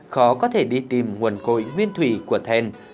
khó có thể đi tìm nguồn cội nguyên thủy của then